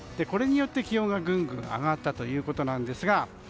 これによって気温がぐんぐん上がったということですが。